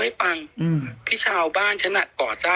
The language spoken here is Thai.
หนุ่มกัญชัยโทรมา